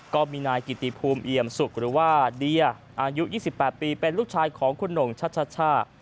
ก็มีนายกิติภูมิเอี่ยมสุกหรือว่าเดียอายุ๒๘ปีเป็นลูกชายของคุณหน่งชัชชา